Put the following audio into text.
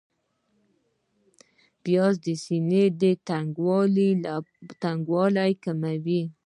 پیاز د سینې تنګوالی کموي